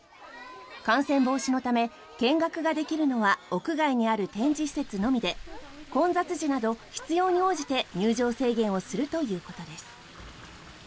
感染防止のため見学ができるのは屋外にある展示施設のみで混雑時など必要に応じて入場制限をするということです。